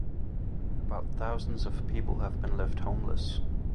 About thousands of people have been left homeless.